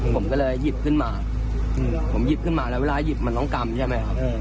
ผมก็เลยหยิบขึ้นมาผมหยิบขึ้นมาแล้วเวลาหยิบมันต้องกำใช่ไหมครับ